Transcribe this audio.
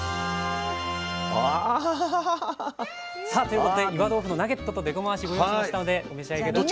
さあということで岩豆腐のナゲットとでこまわしご用意しましたのでお召し上がり下さい。